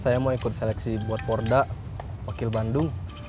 saya mau ikut seleksi buat porda wakil bandung